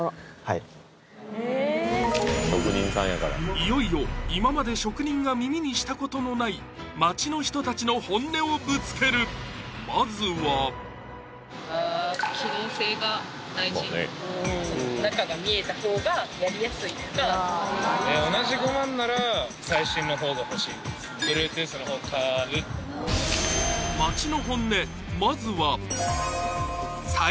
いよいよ今まで職人が耳にしたことのない街の人たちの本音をぶつけるまずは街の本音